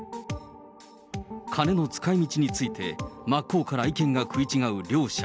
金の使いみちについて真っ向から意見が食い違う両者。